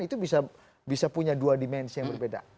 itu bisa punya dua dimensi yang berbeda